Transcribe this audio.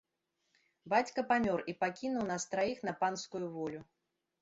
Бацька памёр і пакінуў нас траіх на панскую волю.